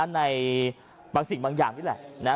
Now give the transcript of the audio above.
ในบางสิ่งบางอย่างนี่แหละ